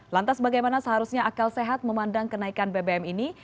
lantas bagaimana seharusnya akal sehat memandang kenaikan bbm ini